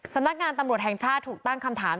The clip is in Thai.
สำนักงานตำรวจแห่งชาติถูกตั้งคำถาม